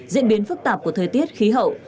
diễn biến phức tạp của thời tiết khí hậu